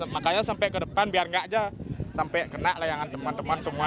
makanya sampai ke depan biar nggak aja sampai kena layangan teman teman semua